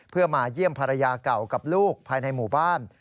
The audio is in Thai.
เพื่อมาเยี่ยมภรรยาเก่ากับลูกภายในหมู่บ้าน